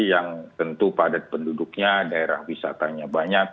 yang tentu padat penduduknya daerah wisatanya banyak